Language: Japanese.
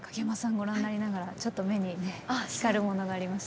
ご覧になりながらちょっと目に光るものがありました。